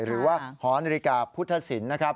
หรือว่าหอนาฬิกาพุทธศิลป์นะครับ